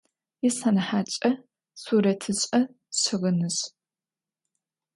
Исэнэхьаткӏэ сурэтышӏэ-щыгъынышӏ.